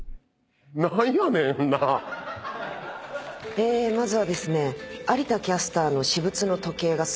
えまずはですね。